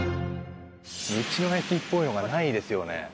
道の駅っぽいのがないですよね。